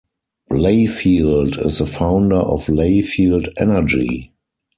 Layfield is the founder of Layfield Energy.